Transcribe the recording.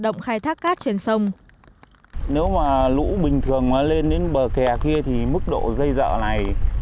nếu mà lũ bình thường lên đến bờ kè kia thì mức độ dây dọa này